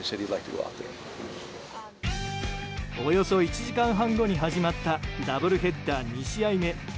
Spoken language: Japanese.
およそ１時間半後に始まったダブルヘッダー２試合目。